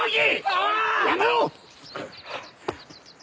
やめろ！